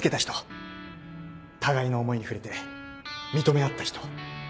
互いの思いに触れて認め合った人。